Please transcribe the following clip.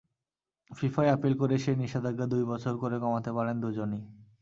ফিফায় appeal করে সেই নিষেধাজ্ঞা দুই বছর করে কমাতে পারেন দুজনই।